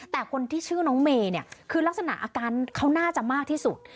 แต่คนที่ชื่อน้องเมย์เนี่ยคือลักษณะอาการเขาน่าจะมากที่สุด